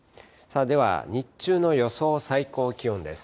では、日中の予想最高気温です。